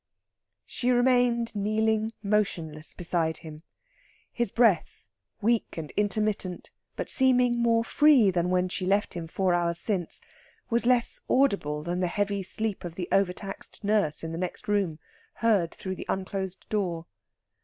She remained kneeling motionless beside him. His breath, weak and intermittent, but seeming more free than when she left him four hours since, was less audible than the heavy sleep of the overtaxed nurse in the next room, heard through the unclosed door.